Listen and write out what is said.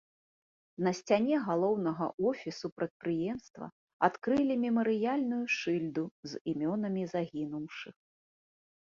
На сцяне галоўнага офісу прадпрыемства адкрылі мемарыяльную шыльду з імёнамі загінуўшых.